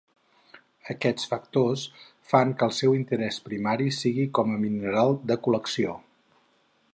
Aquests factors fan que el seu interès primari sigui com a mineral de col·lecció.